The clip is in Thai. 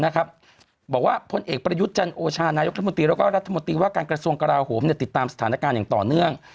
แล้วก็รัฐมนตรีว่าการกระทรวงกราวโหมติดตามสถานการณ์อย่างต่อเนื่อง